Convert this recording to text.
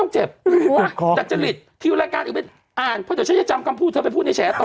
จัดจาหลิตที่รายการอีกเป็นอ่านเพราะเดี๋ยวฉันจะจำกรรมพูดเธอไปพูดนี้แฉวะตอน